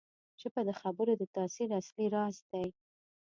ژبه د خبرو د تاثیر اصلي راز دی